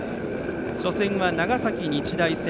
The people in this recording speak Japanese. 初戦は長崎日大戦。